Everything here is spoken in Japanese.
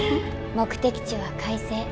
目的地は快晴。